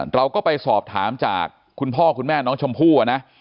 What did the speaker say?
เราก็ไปสอบถามจากคุณพ่อคุณแม่น้องชมพู่นะ